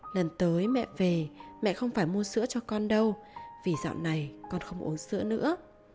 lần tới mẹ về mẹ không phải mua sữa cho con đâu vì dạo này con không uống sữa nữa